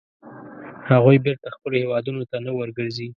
هغوی بېرته خپلو هیوادونو ته نه ورګرځي.